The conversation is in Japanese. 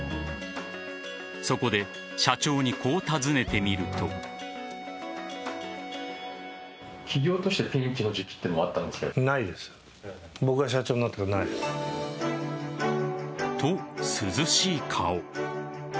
そこで社長に、こう尋ねてみると。と、涼しい顔。